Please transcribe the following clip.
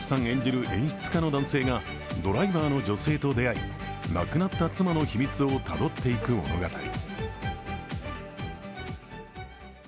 演じる演出家の男性がドライバーの女性と出会い亡くなった妻の秘密をたどっていく物語。